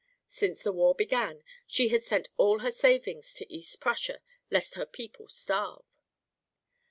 Since the war began, she had sent all her savings to East Prussia lest her people starve.